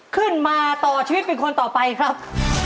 ขึ้นมาต่อชีวิตเป็นคนต่อไปครับ